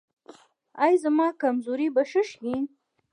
ایا زما کمزوري به ښه شي؟